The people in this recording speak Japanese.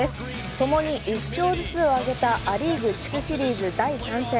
ともに１勝ずつを挙げたア・リーグ地区シリーズ第３戦。